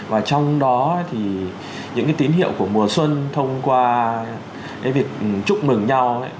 và trong đó thì những cái tín hiệu của mùa xuân thông qua cái việc chúc mừng nhau